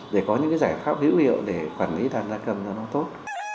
để có những cái giải pháp hữu liệu để quản lý đàn gia cầm cho nó tốt